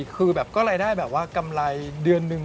คือแบบก็รายได้แบบว่ากำไรเดือนนึง